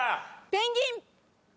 ペンギン。